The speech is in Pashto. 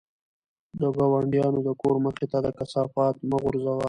د ګاونډیانو د کور مخې ته د کثافاتو مه غورځوئ.